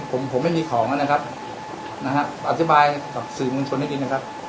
ต้นเลยนะครับที่เกิดเลยนะครับ